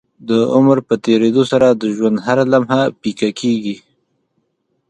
د عمر په تيريدو سره د ژوند هره لمحه پيکه کيږي